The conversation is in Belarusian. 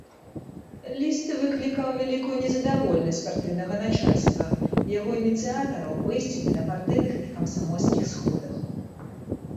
Ліст выклікаў вялікую незадаволенасць партыйнага начальства, яго ініцыятараў бэсцілі на партыйных і камсамольскіх сходах.